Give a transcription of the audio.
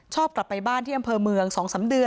กลับไปบ้านที่อำเภอเมือง๒๓เดือน